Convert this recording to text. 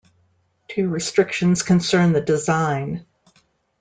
Two restrictions concern the design.